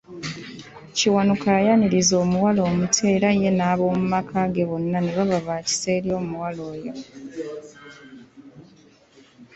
Kiwanuka yayaniriza omuwala omuto era ye n'ab'omumaka ge bonna ne baba ba kisa eri omuwala oyo.